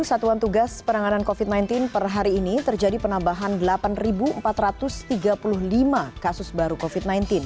satuan tugas penanganan covid sembilan belas per hari ini terjadi penambahan delapan empat ratus tiga puluh lima kasus baru covid sembilan belas